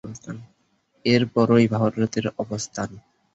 এর পরই ভারতের অবস্থান।